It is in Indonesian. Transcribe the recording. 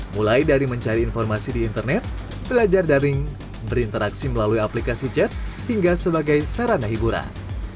mulai dari mencari informasi di internet belajar daring berinteraksi melalui aplikasi chat hingga sebagai sarana hiburan